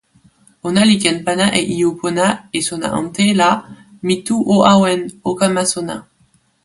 ona li ken pana e ijo pona e sona ante la mi tu o awen, o kama sona.